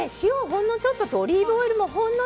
ほんのちょっととオリーブオイルほんの